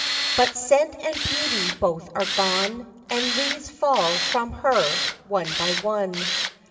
But scent and beauty both are gone, And leaves fall from her, one by one.